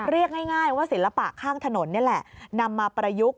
เรียกง่ายว่าศิลปะข้างถนนนี่แหละนำมาประยุกต์